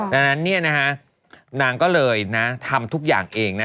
ดังนั้นเนี่ยนะฮะนางก็เลยนะทำทุกอย่างเองนะ